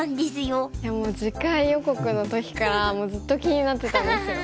いやもう次回予告の時からずっと気になってたんですよ。